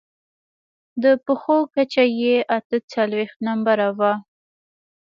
د پښو کچه يې اته څلوېښت نمبره وه.